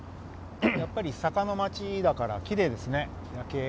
やっぱり坂の街だから夜景がきれいですね。